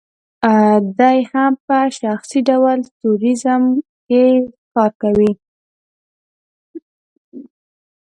دی هم په شخصي ډول ټوریزم کې کار کوي.